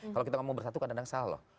kalau kita ngomong bersatu kan kadang salah loh